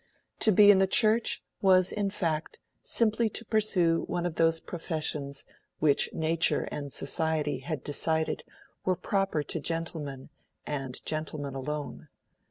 To be in the Church was in fact simply to pursue one of those professions which Nature and Society had decided were proper to gentlemen and gentlemen alone.